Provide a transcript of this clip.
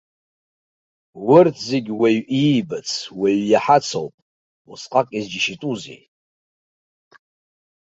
Урҭ зегьы уаҩ иибац, уаҩ иаҳац ауп, усҟак изџьашьа тәузеи?